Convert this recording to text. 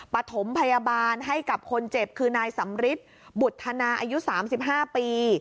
ปฐมพยาบาลให้กับคนเจ็บคือนายสำริทบุฒนาอายุ๓๕ปี